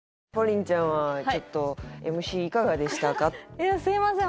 いやすいません